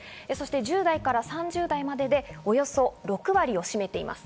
１０代から３０代まででおよそ６割を占めています。